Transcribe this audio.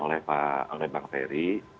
oleh pak oleh bang ferry